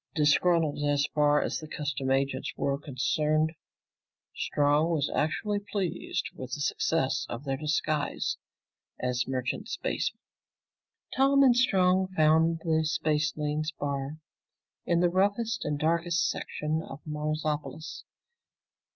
Disgruntled, as far as the customs agents were concerned, Strong was actually pleased with the success of their disguise as merchant spacemen. Tom and Strong found the Spacelanes Bar in the roughest and darkest section of Marsopolis.